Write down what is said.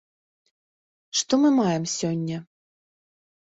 Што мы маем сёння?